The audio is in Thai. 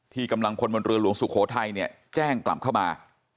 กำลังพลบนเรือหลวงสุโขทัยเนี่ยแจ้งกลับเข้ามา